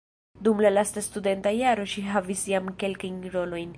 Dum la lasta studenta jaro ŝi havis jam kelkajn rolojn.